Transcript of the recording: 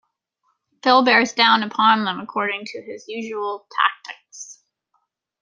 Phil bears down upon them according to his usual tactics.